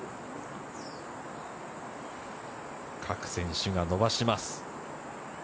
各選手が伸ばします。